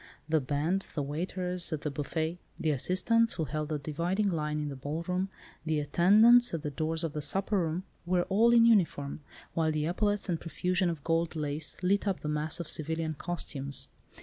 The band, the waiters at the buffet, the assistants who held the dividing line in the ball room, the attendants at the doors of the supper room, were all in uniform, while the epaulettes and profusion of gold lace lit up the mass of civilian costumes.